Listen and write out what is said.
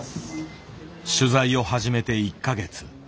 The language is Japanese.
取材を始めて１か月。